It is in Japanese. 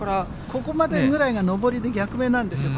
ここまでぐらいが上りで逆目なんですよ。